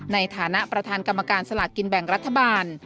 ในฐานะประธานกรรมการสลากกินแบ่งรัฐบาล